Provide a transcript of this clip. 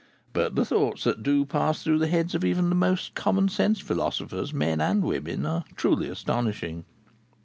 But the thoughts that do pass through the heads of even the most common sensed philosophers, men and women, are truly astonishing.